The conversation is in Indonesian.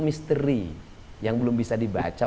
misteri yang belum bisa dibaca